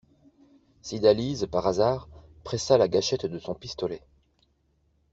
Cydalise, par hasard, pressa la gâchette de son pistolet.